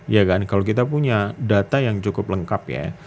ya kan kalau kita punya data yang cukup lengkap ya